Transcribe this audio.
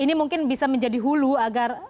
ini mungkin bisa menjadi hulu agar